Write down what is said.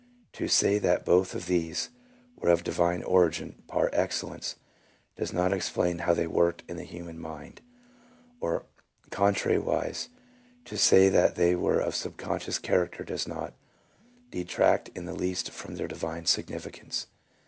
To say that both of these were of divine origin par excellence, does not explain how they w r orked in the human mind; or contrariwise, to say that they were of subconscious character does not detract in the least from their divine significance.